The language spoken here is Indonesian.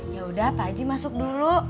yaudah pak ji masuk dulu